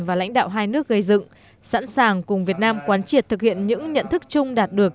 và lãnh đạo hai nước gây dựng sẵn sàng cùng việt nam quán triệt thực hiện những nhận thức chung đạt được